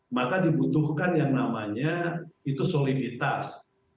maka dibutuhkan yang namanya itu soliditas